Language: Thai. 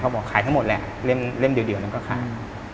บอกขายทั้งหมดแหละเล่มเดียวนั้นก็ขาย